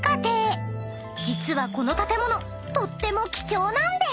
［実はこの建物とっても貴重なんです］